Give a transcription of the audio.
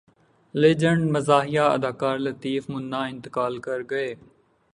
legend مزاحیہ اداکار لطیف منا انتقال کر گئے